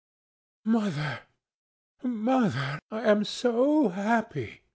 "Mother, Mother, I am so happy!"